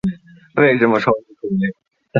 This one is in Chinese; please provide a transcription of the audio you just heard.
为什么愁眉苦脸？